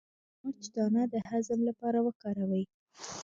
د مرچ دانه د هضم لپاره وکاروئ